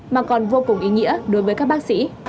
mà còn vô cùng ý nghĩa đối với các bác sĩ